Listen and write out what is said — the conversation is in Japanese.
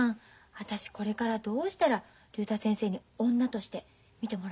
私これからどうしたら竜太先生に女として見てもらえるかしら。